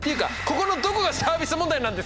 ここのどこがサービス問題なんですか！？